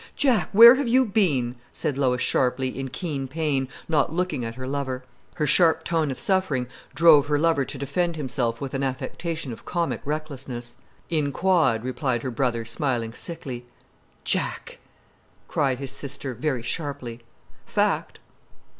"Jack, where have you been?" said Lois sharply, in keen pain, not looking at her lover. Her sharp tone of suffering drove her lover to defend himself with an affectation of comic recklessness. "In quod," replied her brother, smiling sickly. "Jack!" cried his sister very sharply. "Fact."